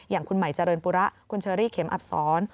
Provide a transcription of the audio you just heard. อย่างคุณใหม่เจริญปุระคุณเชอรี่เข็มอักษร